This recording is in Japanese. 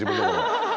ハハハハ！